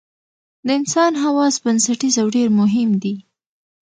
د انسان حواس بنسټیز او ډېر مهم دي.